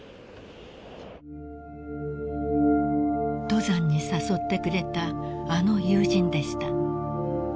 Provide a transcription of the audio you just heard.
［登山に誘ってくれたあの友人でした］